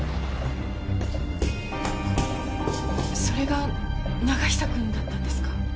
それが永久くんだったんですか？